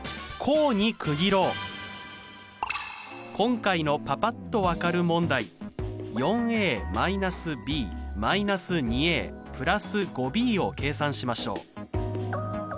今回のパパっと分かる問題を計算しましょう。